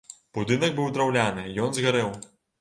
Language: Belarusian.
Будынак быў драўляны, ён згарэў.